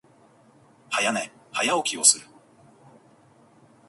早寝、早起きをする。